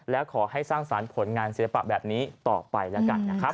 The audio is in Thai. แล้วขอให้สร้างสารผลงานศิลปะแบบนี้ต่อไปแล้วกันนะครับ